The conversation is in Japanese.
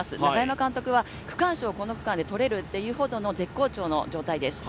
監督は区間賞をこの区間で取れるというほどの絶好調の状態です。